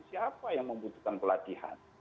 siapa yang membutuhkan pelatihan